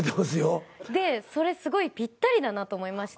でそれぴったりだなと思いまして。